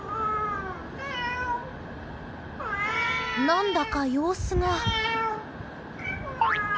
何だか、様子が。